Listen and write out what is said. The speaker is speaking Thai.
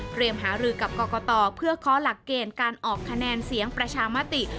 หารือกับกรกตเพื่อเคาะหลักเกณฑ์การออกคะแนนเสียงประชามติ